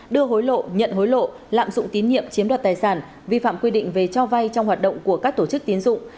đưa hối lộ nhận hối lộ lạm dụng tín nhiệm chiếm đoạt tài sản vi phạm quy định về cho vay trong hoạt động của các tổ chức tiến dụng